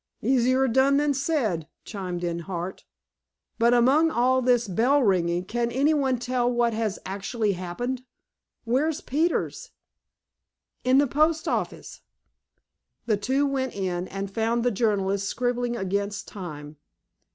"Easier done than said," chimed in Hart. "But, among all this bell ringing, can anyone tell what has actually happened? Where's Peters?" "In the post office." The two went in, and found the journalist scribbling against time.